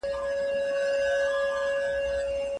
استادان د ټولني په روزنه بوخت دي.